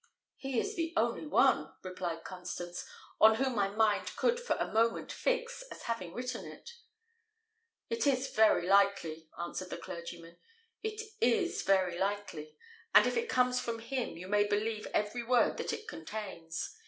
"He is the only one," replied Constance, "on whom my mind could for a moment fix as having written it." "It is very likely," answered the clergyman: "it is very likely; and if it comes from him, you may believe every word that it contains.